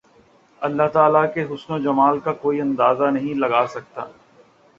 اللہ تعالی کے حسن و جمال کا کوئی اندازہ نہیں لگا سکت